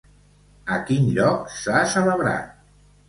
A quin lloc s'ha celebrat?